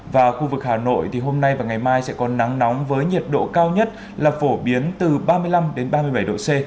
và khu vực hà nội thì hôm nay và ngày mai sẽ có nắng nóng với nhiệt độ cao nhất là phổ biến từ ba mươi năm ba mươi bảy độ c